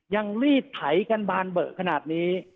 ลีดไถกันบานเบอะขนาดนี้